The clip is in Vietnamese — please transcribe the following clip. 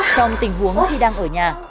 trong tình huống khi đang ở nhà